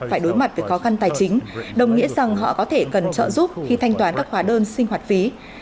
phải đối mặt với khó khăn tài chính đồng nghĩa rằng họ có thể cần trợ giúp khi thanh toán các hóa đơn sinh hoạt phí